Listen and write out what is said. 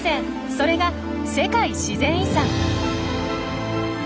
それが世界自然遺産。